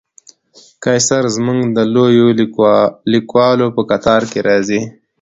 قیصر زموږ د لویو لیکوالو په قطار کې راځي.